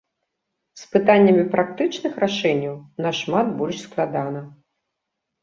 З пытаннямі практычных рашэнняў нашмат больш складана.